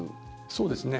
そうですね。